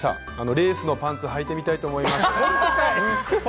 レースのパンツ、履いてみたいと思います。